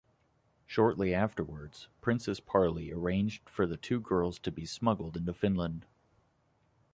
Shortly afterwards, Princess Paley arranged for the two girls to be smuggled into Finland.